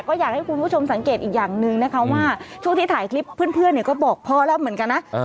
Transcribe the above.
ก็อยากให้คุณผู้ชมสังเกตอีกอย่างหนึ่งนะคะว่าช่วงที่ถ่ายคลิปเพื่อนก็บอกพ่อแล้วเหมือนกันนะ